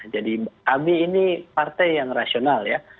jadi kami ini partai yang rasional ya